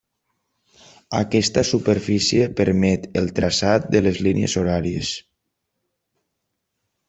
Aquesta superfície permet el traçat de les línies horàries.